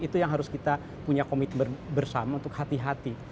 itu yang harus kita punya komitmen bersama untuk hati hati